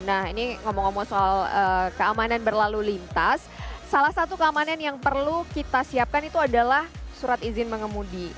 nah ini ngomong ngomong soal keamanan berlalu lintas salah satu keamanan yang perlu kita siapkan itu adalah surat izin mengemudi